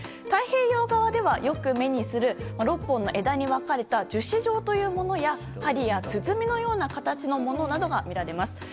太平洋側では、よく目にする６本の枝に分かれた樹枝状というものや針や、つづみのような形のものなどが見られます。